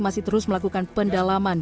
masih terus melakukan pendalaman